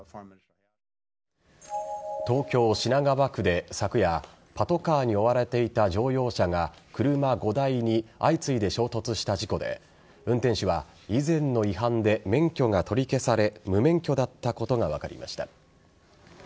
東京・品川区で昨夜パトカーに追われていた乗用車が車５台に相次いで衝突した事故で運転手は以前の違反で免許が取り消され無免許だったことが分かりました。